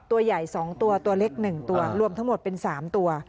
ตัวใหญ่๒ตัวตัวเล็ก๑ตัวรวมทั้งหมดเป็น๓ตัว